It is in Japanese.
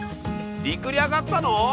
陸にあがったの？